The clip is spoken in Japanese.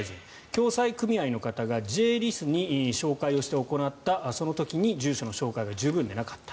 共済組合の方がＪ−ＬＩＳに照会をして行ったその時に住所の照会が十分でなかった。